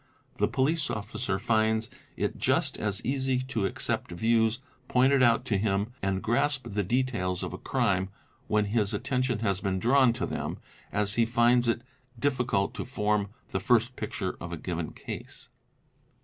The police officer finds it just as easy to accept views pointed out to him and grasp the details of a crime when his attention has been drawn to them, as he finds it difficult to form the first picture of a given case.